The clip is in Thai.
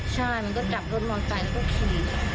ใช่มันก็จับรถมอเตอร์ก็ขี่